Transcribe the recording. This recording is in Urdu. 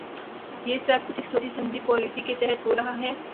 یہ سب کچھ ایک سوچی سمجھی پالیسی کے تحت ہو رہا ہے۔